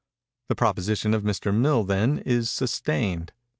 The proposition of Mr. Mill, then, is sustained.